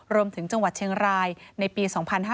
รวมถึงจังหวัดเชียงรายในปี๒๕๐๑